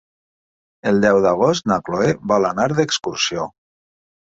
El deu d'agost na Chloé vol anar d'excursió.